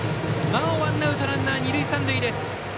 なおワンアウトランナー、二塁三塁。